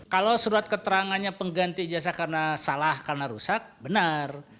kalau surat keterangannya pengganti ijazah karena salah karena rusak benar